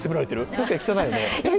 確かに汚いよね。